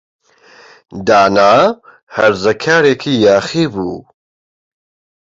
دانا هەرزەکارێکی یاخی بوو.